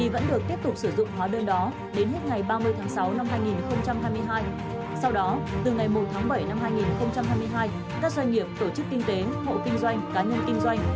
sau đó từ ngày một tháng bảy năm hai nghìn hai mươi hai các doanh nghiệp tổ chức kinh tế hộ kinh doanh cá nhân kinh doanh